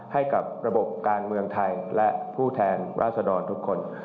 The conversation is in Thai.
ให้กับระบบการเมืองไทยและผู้แทนราษดรทุกคน